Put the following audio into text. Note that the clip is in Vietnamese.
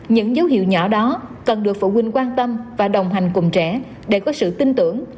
những dấu hiệu nhỏ đó cần được phụ huynh quan tâm và đồng hành cùng trẻ để có sự tin tưởng